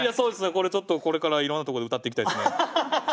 これちょっとこれからいろんなところで歌っていきたいですね。